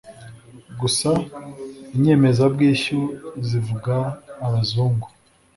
gusa inyemezabwishyu zivuga abazungu